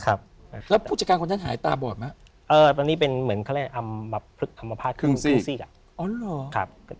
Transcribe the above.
แล้วผู้จัดการเขาถ้ายตาบอดไหมเออตอนนี้เป็นเหมือนเอิมพฤตธรรมภาษก์ครึ่งซีบ